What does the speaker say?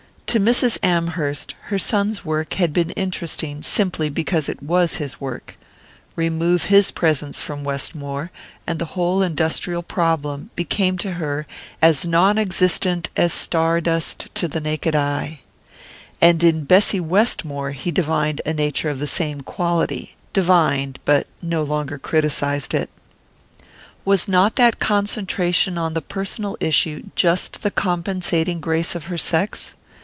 To Mrs. Amherst, her son's work had been interesting simply because it was his work: remove his presence from Westmore, and the whole industrial problem became to her as non existent as star dust to the naked eye. And in Bessy Westmore he divined a nature of the same quality divined, but no longer criticized it. Was not that concentration on the personal issue just the compensating grace of her sex?